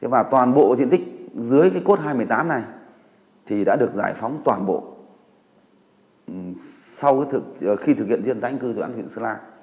và toàn bộ diện tích dưới cái cốt hai trăm một mươi tám này thì đã được giải phóng toàn bộ sau khi thực hiện dự án tái định cư dự án thủy điện sơn la